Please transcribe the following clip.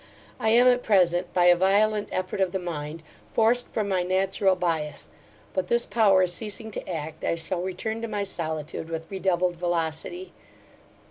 I am, at present, by a violent effort of the mind, forced from my natural bias; but this power ceasing to act, I shall return to my solitude with redoubled velocity.